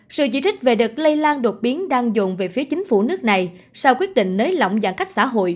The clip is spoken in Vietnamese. sự chỉ trích về đợt lây lan đột biến đang dồn về phía chính phủ nước này sau quyết định nới lỏng giãn cách xã hội